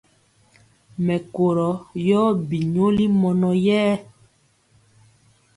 Mɛkorɔ yɔ bi nyoli mɔnɔ yɛ.